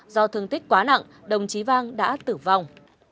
do thương tích quá nặng đồng chí vang đã tử vong